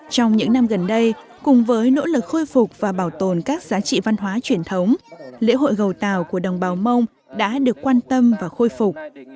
trong những năm gần đây cùng với nỗ lực khôi phục và bảo tồn các giá trị văn hóa truyền thống lễ hội gầu tàu của đồng bào mông đã được quan tâm và khôi phục